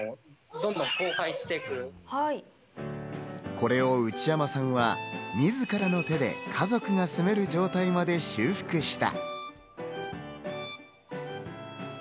これを内山さんはみずからの手で家族が住める状態まで修復した。